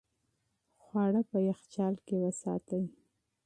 خواړه په یخچال کې وساتئ.